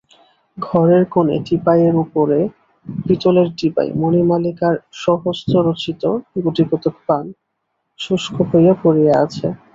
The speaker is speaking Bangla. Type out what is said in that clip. ঘরের কোণে টিপাইয়ের উপরে পিতলের ডিবায় মণিমালিকার স্বহস্তরচিত গুটিকতক পান শুষ্ক হইয়া পড়িয়া আছে।